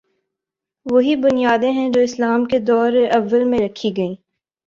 وہی بنیادیں جو اسلام کے دور اوّل میں رکھی گئیں۔